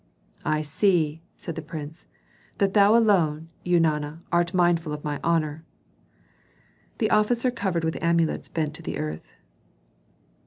"I see," said the prince, "that thou alone, Eunana, art mindful of my honor." The officer covered with amulets bent to the earth.